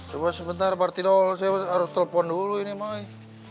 coba sebentar partil saya harus telepon dulu ini mai